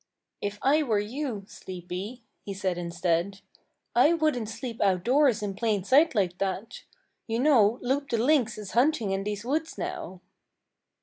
"If I were you, Sleepy," he said instead, "I wouldn't sleep outdoors in plain sight like that. You know Loup the Lynx is hunting in these woods now."